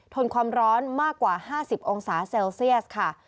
ทนความร้อนมากกว่า๕๐องศาเซลเซียสค่ะ